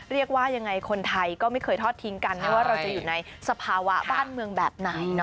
เรียกว่ายังไงคนไทยก็ไม่เคยทอดทิ้งกันไม่ว่าเราจะอยู่ในสภาวะบ้านเมืองแบบไหน